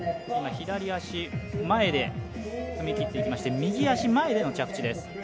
今、左足前で踏み切っていきまして右足前での着地です。